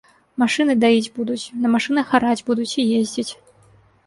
Машыны даіць будуць, на машынах араць будуць і ездзіць.